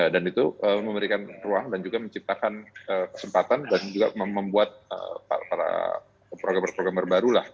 dan itu memberikan ruang dan juga menciptakan kesempatan dan juga membuat para programmer programmer baru lah